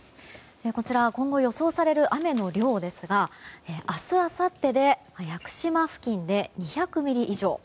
こちら今後予想される雨の量ですが明日あさってで屋久島付近で２００ミリ以上。